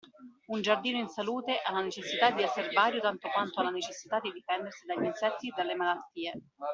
Un Giardino in salute ha la necessità di esser vario tanto quanto ha la necessità di difendersi dagli insetti e dalle malattie.